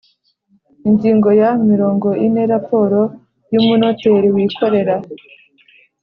Ingingo ya mirongo ine Raporo y umunoteri wikorera